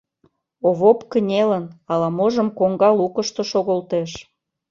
Овоп кынелын, ала-можым коҥга лукышто шогылтеш.